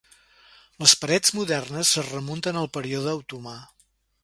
Les parets modernes es remunten al període otomà.